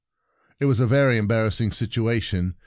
It was a very embarrassing situation.